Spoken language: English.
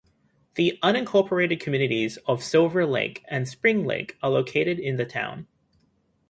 The unincorporated communities of Silver Lake and Spring Lake are located in the town.